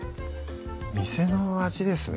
店の味ですね